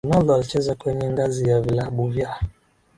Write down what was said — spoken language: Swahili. Ronaldo alicheza kwenye ngazi ya vilabu vya